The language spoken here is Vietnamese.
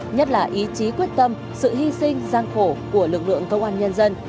nhất là ý chí quyết tâm sự hy sinh gian khổ của lực lượng công an nhân dân